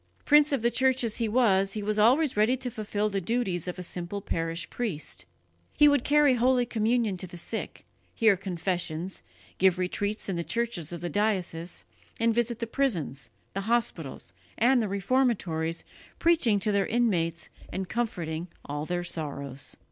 Prince of the Church as he was, he was always ready to fulfil the duties of a simple parish priest. He would carry holy communion to the sick, hear confessions, give retreats in the churches of the diocese, and visit the prisons, the hospitals and the reformatories, preaching to their inmates and comforting all their sorrows.